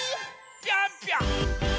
ぴょんぴょん！